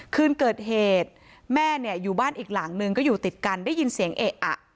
คืนเกิดเหตุแม่เนี่ยอยู่บ้านอีกหลังนึงก็อยู่ติดกันได้ยินเสียงเอะอะ